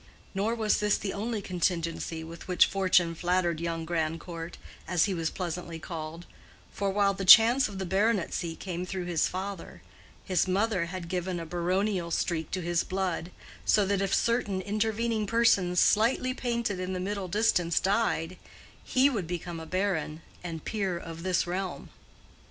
Nor was this the only contingency with which fortune flattered young Grandcourt, as he was pleasantly called; for while the chance of the baronetcy came through his father, his mother had given a baronial streak to his blood, so that if certain intervening persons slightly painted in the middle distance died, he would become a baron and peer of this realm.